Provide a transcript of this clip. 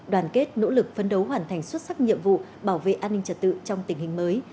đoàn kết nỗ lực phấn đấu hoàn thành xuất sắc nhiệm vụ bảo vệ an ninh trật tự trong tình hình mới